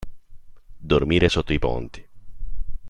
Dormire sotto i ponti.